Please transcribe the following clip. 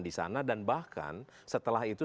di sana dan bahkan setelah itu